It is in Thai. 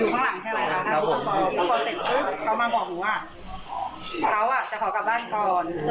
มารอได้เลยมาช่วงบ่ก็ได้